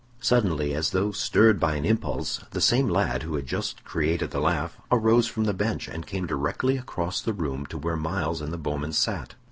Suddenly, as though stirred by an impulse, the same lad who had just created the laugh arose from the bench, and came directly across the room to where Myles and the bowman sat.